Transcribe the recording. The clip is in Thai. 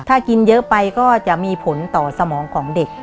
ถ้ากินเยอะไปก็จะมีผลต่อสมองของเด็ก